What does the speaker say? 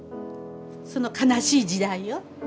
その悲しい時代を。